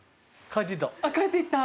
帰っていった。